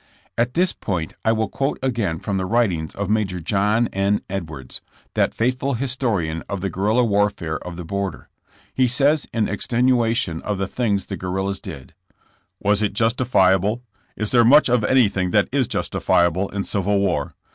At this point I will quote again from the writings of Major John N. Edwards, that faithful historian of the guerrilla warfare of the border. He says in extenuation of the things the guerrillas did : Was it justifiable? Is there much of anything that is justifiable in civil war?